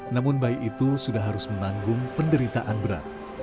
namun bayi itu sudah harus menanggung penderitaan berat